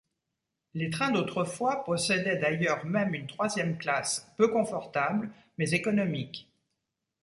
Les trains d'autrefois possédaient d'ailleurs même une troisième classe peu confortable, mais économique.